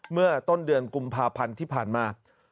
เมื่อต้นเดือนกุมภาพันธ์ที่ผ่านมา